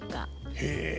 へえ！